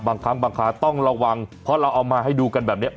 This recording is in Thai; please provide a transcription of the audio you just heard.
บางครั้งบางคราต้องระวังเพราะเราเอามาให้ดูกันแบบนี้